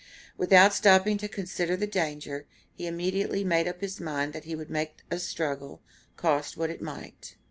Without stopping to consider the danger, he immediately made up his mind that he would make a struggle, cost what it might.